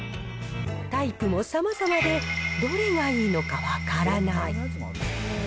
タイプもさまざまで、どれがいいのか分からない。